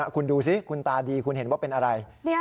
คุณดูสิคุณตาดีคุณเห็นว่าเป็นอะไร